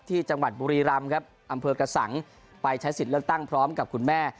ที่จังหวัดบุรีรำครับอำเภอกระสังไปใช้สิทธิ์เลือกตั้งพร้อมกับคุณแม่